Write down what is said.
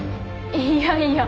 いやいや！